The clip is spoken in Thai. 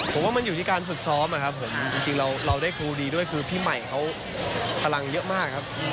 ผมว่ามันอยู่ที่การฝึกซ้อมนะครับผมจริงเราได้ครูดีด้วยคือพี่ใหม่เขาพลังเยอะมากครับ